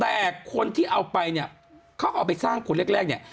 แต่คนที่เอาไปเนี่ยเขาเอาไปสร้างคนแรกเนี่ย